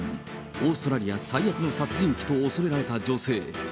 オーストラリア最悪の殺人鬼と恐れられた女性。